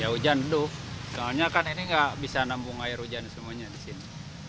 ya hujan aduh soalnya kan ini nggak bisa nampung air hujan semuanya di sini